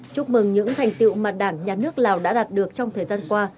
chúc mừng những thành tiệu mà đảng nhà nước lào đã đạt được trong thời gian qua